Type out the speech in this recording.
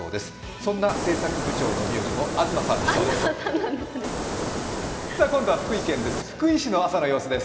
そんな制作部長の名字も吾妻さんだそうです。